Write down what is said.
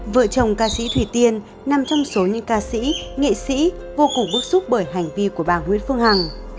vợ chồng ca sĩ thủy tiên nằm trong số những ca sĩ nghệ sĩ vô cùng bức xúc bởi hành vi của bà nguyễn phương hằng